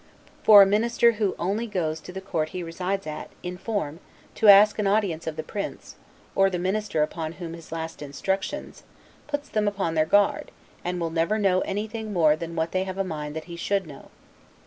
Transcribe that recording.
For a minister who only goes to the court he resides at, in form, to ask an audience of the prince or the minister upon his last instructions, puts them upon their guard, and will never know anything more than what they have a mind that he should know.